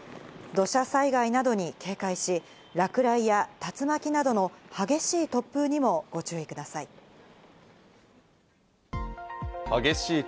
土砂災害などに警戒し、落雷や竜巻などの激しい突風にもご注意ください。